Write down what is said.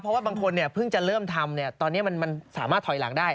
เพราะว่าบางคนเพิ่งจะเริ่มทำตอนนี้มันสามารถถอยหลังได้